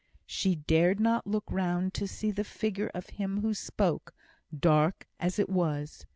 She dared not look round to see the figure of him who spoke, dark as it was.